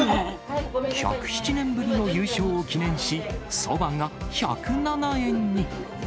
１０７年ぶりの優勝を記念し、そばが１０７円に。